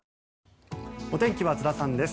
お天気は津田さんです。